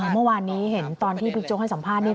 เมื่อวานนี้เห็นตอนที่บิ๊กโจ๊กให้สัมภาษณ์